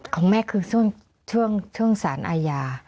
ของแม่คือช่วงช่วงช่วงสารอาญา